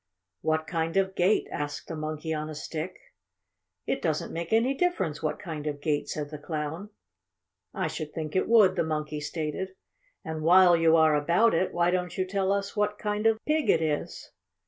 "What kind of gate?" asked the Monkey on a Stick. "It doesn't make any difference what kind of gate," said the Clown. "I should think it would," the Monkey stated. "And while you are about it, why don't you tell us what kind of pig it is?"